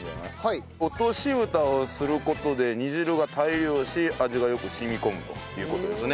落とし蓋をする事で煮汁が対流し味がよく染み込むという事ですね。